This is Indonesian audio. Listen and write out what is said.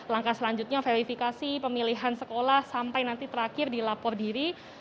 dan ada langkah selanjutnya verifikasi pemilihan sekolah sampai nanti terakhir dilapor diri